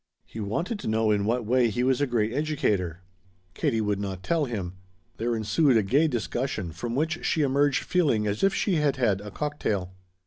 He wanted to know in what way he was a great educator. Katie would not tell him. There ensued a gay discussion from which she emerged feeling as if she had had a cocktail.